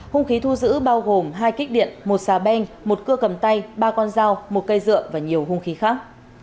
hung khí thu giữ bao gồm hai kích điện một xà beng một cưa cầm tay ba con dao một cây dựa và nhiều hung khí khác